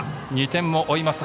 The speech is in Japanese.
２点を追います